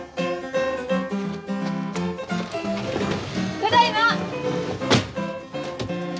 ただいま。